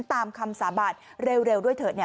ตามคำสาบานเร็วด้วยเถอะ